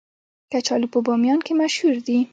کچالو په بامیان کې مشهور دي